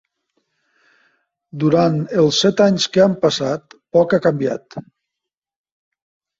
Durant els set anys que han passat, poc ha canviat.